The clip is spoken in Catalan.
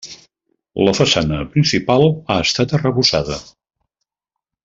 La façana principal ha estat arrebossada.